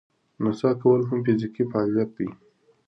نڅا کول هم فزیکي فعالیت دی.